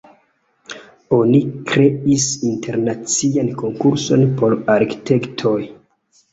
Oni kreis internacian konkurson por arkitektoj.